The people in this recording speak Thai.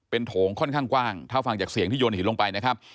โถงค่อนข้างกว้างถ้าฟังจากเสียงที่โยนหินลงไปนะครับ